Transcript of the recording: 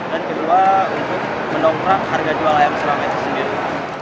dan kedua untuk menongkrang harga jual ayam serama itu sendiri